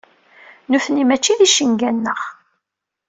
Nutni mačči d icenga-nneɣ.